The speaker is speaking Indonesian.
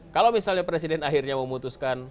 kalau misalnya presiden akhirnya memutuskan